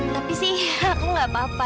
tapi sih aku gak apa apa